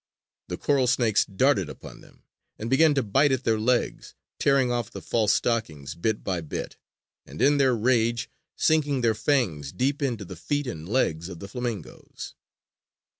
The coral snakes darted upon them, and began to bite at their legs, tearing off the false stockings bit by bit, and, in their rage, sinking their fangs deep into the feet and legs of the flamingoes.